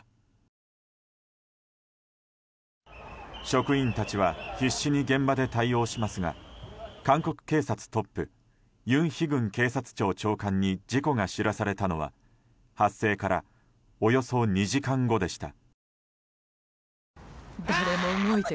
職員たちは必死に現場で対応しますが韓国警察トップユン・ヒグン警察庁長官に事故が知らされたのは発生からおよそ２時間後でした。